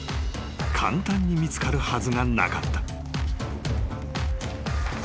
［簡単に見つかるはずがなかった］